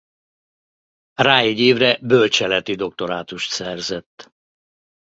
Rá egy évre bölcseleti doktorátust szerzett.